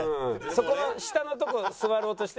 そこの下のとこ座ろうとして！